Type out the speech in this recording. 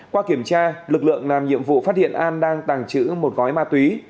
qua kiểm tra lực lượng làm nhiệm vụ phát hiện an đang tàng trữ một gói ma túy